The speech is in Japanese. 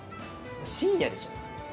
深夜でしょ？